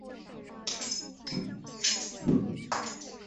鲁西军政委员会委员。